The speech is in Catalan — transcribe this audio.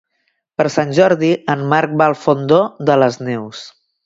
Per Sant Jordi en Marc va al Fondó de les Neus.